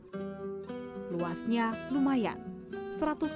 untunglah ada satu keluarga yang menghibahkan se main kolayih dan saling pensil brasileyoutourism